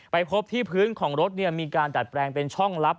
พบที่พื้นของรถมีการดัดแปลงเป็นช่องลับ